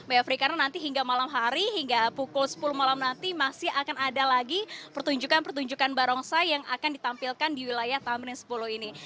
hari hingga pukul sepuluh malam nanti masih akan ada lagi pertunjukan pertunjukan barongsai yang akan ditampilkan di wilayah tamrin sepuluh ini